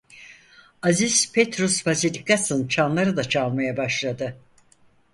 Aziz Petrus Bazilikası'nın çanları da çalmaya başladı.